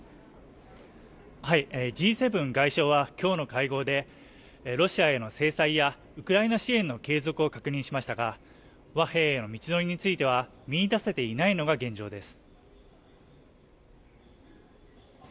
Ｇ７外相は今日の会合でロシアへの制裁やウクライナ支援の継続を確認しましたが、和平への道のりについては見いだせていないのが現状です。